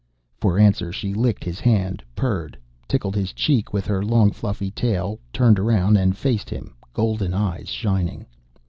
For answer, she licked his hand, purred, tickled his cheek with her long fluffy tail, turned around and faced him, golden eyes shining.